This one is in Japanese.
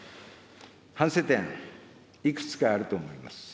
反省点、いくつかあると思います。